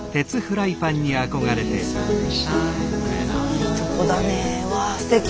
いいとこだねぇわぁすてき。